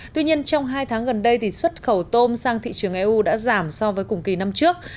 tuy nhiên trong hai tháng gần đây xuất khẩu tôm sang thị trường eu đã giảm so với cùng kỳ năm trước